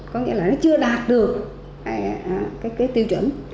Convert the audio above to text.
có nghĩa là nó chưa đạt được cái tiêu chuẩn